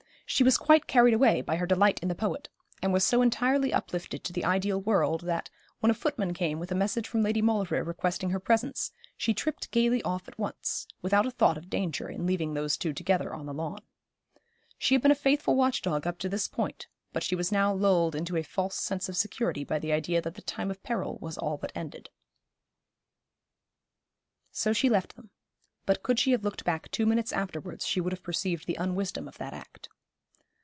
She was quite carried away by her delight in the poet, and was so entirely uplifted to the ideal world that, when a footman came with a message from Lady Maulevrier requesting her presence, she tripped gaily off at once, without a thought of danger in leaving those two together on the lawn. She had been a faithful watch dog up to this point; but she was now lulled into a false sense of security by the idea that the time of peril was all but ended. So she left them; but could she have looked back two minutes afterwards she would have perceived the unwisdom of that act.